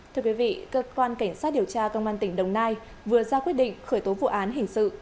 thưa quý vị cơ quan cảnh sát điều tra công an tỉnh đồng nai vừa ra quyết định khởi tố vụ án hình sự